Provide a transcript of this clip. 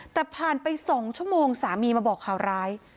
แต่ผ่านไป๒ชั่วโมงสามีมาบอกข่าวร้าย